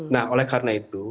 nah oleh karena itu